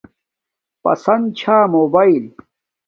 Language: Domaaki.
پسند چھا موباݵل